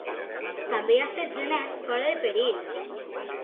També hi ha setze nens fora de perill.